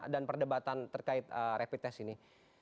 dan perdebatan terkait rapid test ini